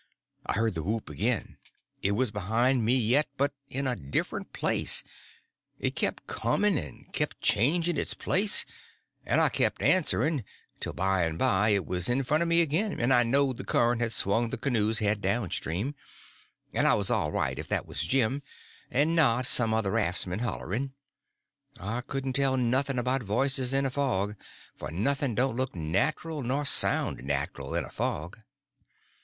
I heard the whoop again; it was behind me yet, but in a different place; it kept coming, and kept changing its place, and I kept answering, till by and by it was in front of me again, and I knowed the current had swung the canoe's head down stream, and I was all right if that was Jim and not some other raftsman hollering. I couldn't tell nothing about voices in a fog, for nothing don't look natural nor sound natural in a fog.